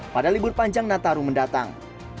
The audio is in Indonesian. pada libur panjang nataru mendatang